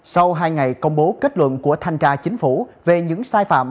sau hai ngày công bố kết luận của thanh tra chính phủ về những sai phạm